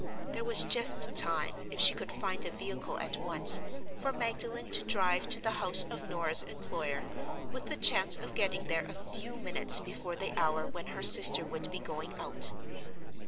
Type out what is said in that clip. There was just time, if she could find a vehicle at once, for Magdalen to drive to the house of Norah's employer, with the chance of getting there a few minutes before the hour when her sister would be going out.